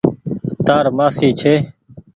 تآر مآسي ڇي۔